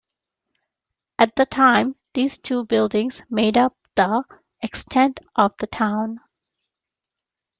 At the time, these two buildings made up the extent of the town.